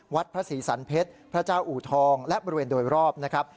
วัดพระศรีสันเพชรพระเจ้าอูทองและบริเวณโดยรอบนะครับ